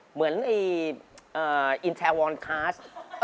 เหมือนอีนเทลวอลคาส